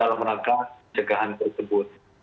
dalam rangka pencegahan tersebut